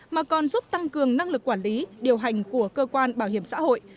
mà còn giúp tăng cường năng lực quản lý điều hành của cơ quan bảo hiểm xã hội